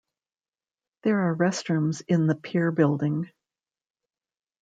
There are restrooms in the pier building.